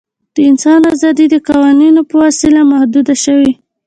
د انسان آزادي د قوانینو په وسیله محدوده شوې.